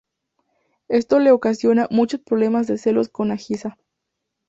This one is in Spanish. Esto le ocasiona muchos problemas de celos con Nagisa.